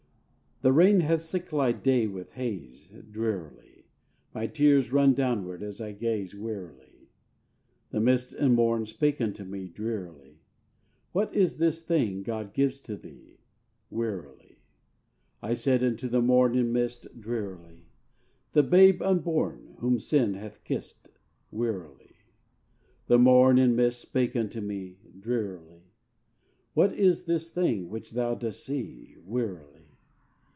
The rain hath sicklied day with haze, Drearily; My tears run downward as I gaze, Wearily. The mist and morn spake unto me, Drearily: "What is this thing God gives to thee?" (Wearily.) I said unto the morn and mist, Drearily: "The babe unborn whom sin hath kissed." (Wearily.) The morn and mist spake unto me, Drearily: "What is this thing which thou dost see?" (Wearily.)